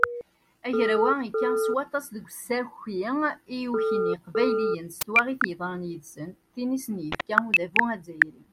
Agraw-a yekka s waṭas deg usaki i yukin yiqbayliyen s twaɣit yeḍran yid-sen, tin i sen-yefka udabu azzayri.